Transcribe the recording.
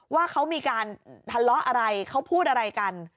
ว่าเขามีการทะเลาะอะไรเขาพูดอะไรกัน